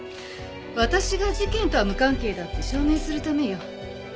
私が事件とは無関係だって証明するためよ。